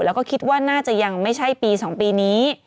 แล้วก็คิดว่าน่าจะยังไม่ใช่ปี๒ปีนี้